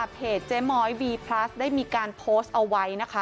เพจเจ๊ม้อยวีพลัสได้มีการโพสต์เอาไว้นะคะ